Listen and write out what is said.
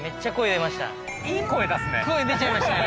いい声出すね。